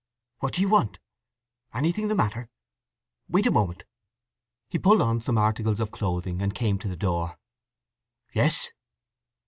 "What do you want? Anything the matter? Wait a moment." He pulled on some articles of clothing, and came to the door. "Yes?"